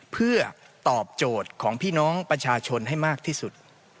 เพื่อตอบโจทย์ของพี่น้องประชาชนให้มากที่สุด